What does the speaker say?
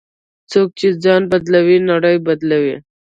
څوک چې ځان بدلوي، نړۍ بدلوي.